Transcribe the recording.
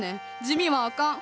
地味はあかん。